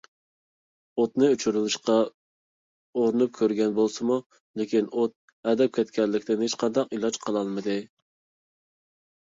ئوتنى ئۆچۈرۈۋېلىشقا ئۇرۇنۇپ كۆرگەن بولسىمۇ، لېكىن ئوت ئەدەپ كەتكەنلىكتىن ھېچقانداق ئىلاج قىلالمىدى.